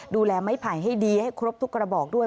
ดูแลไม้ไผ่ให้ดีให้ครบทุกกระบอกด้วย